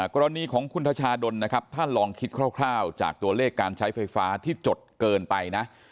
กรณีของคุณทชาดลนะครับถ้าลองคิดคร่าวจากตัวเลขการใช้ไฟฟ้าที่จดเกินไปนะ